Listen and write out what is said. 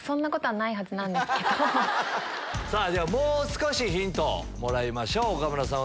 もう少しヒントをもらいましょう岡村さん